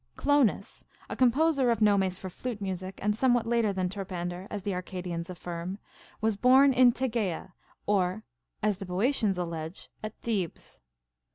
Clonas, a composer of nomes for flute music, and somewhat later than Terpan der, as the Arcadians affirm, Avas born in Tegea or, as the Boeotians allege, at Thebes.